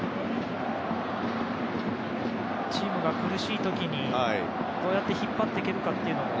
チームが苦しい時どうやって引っ張っていけるか。